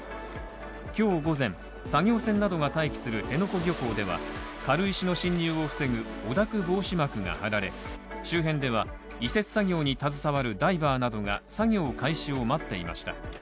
今日午前、作業船などが待機する辺野古漁港では、軽石の侵入を防ぐ汚濁防止膜が張られ、周辺では移設作業に携わるダイバーなどが作業を開始を待っていました。